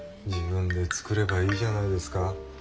自分で作ればいいじゃないですか。